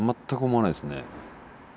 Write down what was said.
全く思わないですね。